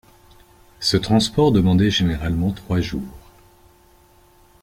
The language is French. Ce transport demandait généralement trois jours.